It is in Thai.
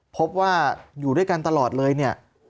พบว่าอยู่ด้วยกันตลอดเลย